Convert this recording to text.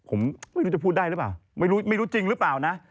ผมไม่รู้จะพูดได้รึเปล่าไม่รู้จริงรึเปล่านะ